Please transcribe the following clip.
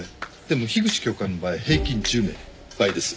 でも樋口教官の場合平均１０名倍です。